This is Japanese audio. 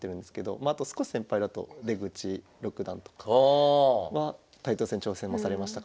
まああと少し先輩だと出口六段とかはタイトル戦挑戦もされましたから。